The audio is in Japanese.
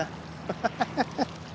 ハハハ。